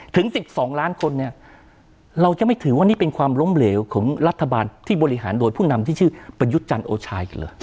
ถึง๑๒ล้านคนเนี่ยเราจะไม่ถือว่านี่เป็นความล้มเหลวของรัฐบาลที่บริหารโดยผู้นำที่ชื่อประยุทธ์จันทร์โอชายกันเหรอ